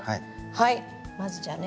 はいまずじゃあね